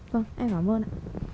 vâng em cảm ơn ạ